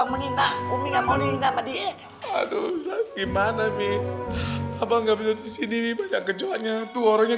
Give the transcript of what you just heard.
menghina umi ngomongin sama dia aduh gimana nih apa nggak bisa disini banyak kecoknya tuh orangnya